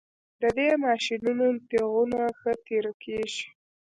د دې ماشینونو تیغونه ښه تیره کیږي